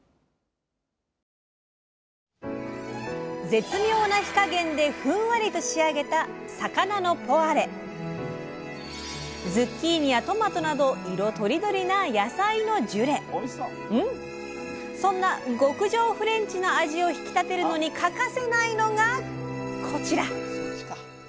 絶妙な火加減でふんわりと仕上げたズッキーニやトマトなど色とりどりなそんな極上フレンチの味を引き立てるのに欠かせないのがこちら！